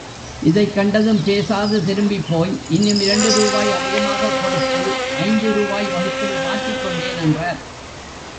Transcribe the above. இதைக் கண்டதும், பேசாது திரும்பிப்போய், இன்னும் இரண்டு ரூபாய் அதிகமாகக் கொடுத்து, ஐந்து ரூபாய் வகுப்பில் மாற்றிக்கொண்டேன் என்றார்.